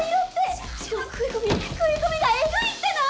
しかも食い込み食い込みがえぐいっての！